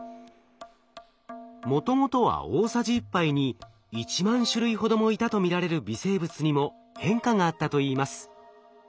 もともとは大さじ１杯に１万種類ほどもいたと見られる微生物にも変化があったといいます。